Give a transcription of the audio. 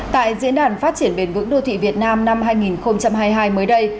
tại diễn đàn phát triển bền vững đô thị việt nam năm hai nghìn hai mươi hai mới đây